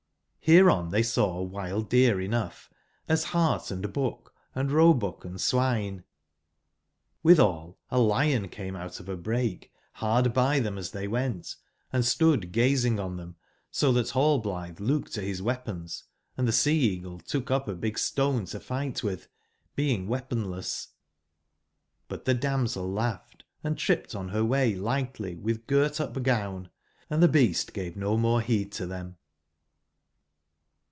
Hereon they sawwUd deer enough^as hart andbuch, androe buckand8wine:withalalioncameoutofabrahehard by them as they went, and stood gazing on them, so that hallblithc looked to his weapons, and the Sea/ eagle tookupabigstonetolightwith, beingweapon/ less ; but the damsel laughed, and tripped on her way lightly with girt/ up gown, and the beast gave no more he ed to them.